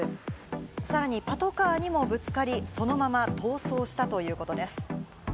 さらにパトカーにもぶつかり、そのまま逃走したということです。